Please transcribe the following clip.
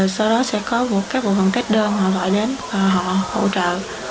sau đó sẽ có các bộ phần trách đơn họ gọi đến và họ hỗ trợ